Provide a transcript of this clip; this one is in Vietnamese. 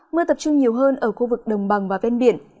mưa tập trung nhiều hơn ở khu vực đồng bằng và ven biển